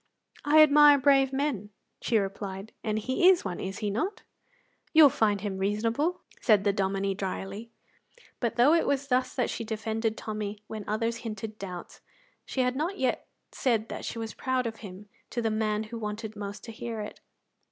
"I admire brave men," she replied, "and he is one, is he not?" "You'll find him reasonable," said the Dominie, drily. But though it was thus that she defended Tommy when others hinted doubts, she had not yet said she was proud of him to the man who wanted most to hear it.